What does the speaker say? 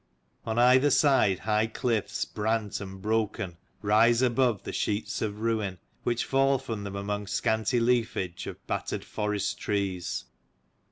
On either side high cliffs, brant and broken, rise above 134 the sheets of ruin, which fall from them among scanty leafage of battered forest trees.